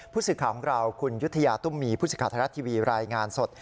พุธศึกษาของเราคุณยุฒิญาตุ้มมีพุธศึกขาทรัทย์ทวีรายงานสด